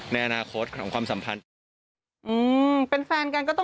ในอนาคตของความสัมพันธ์